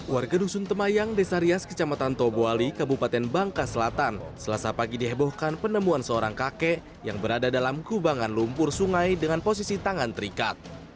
warga dusun temayang desa rias kecamatan tobuali kabupaten bangka selatan selasa pagi dihebohkan penemuan seorang kakek yang berada dalam kubangan lumpur sungai dengan posisi tangan terikat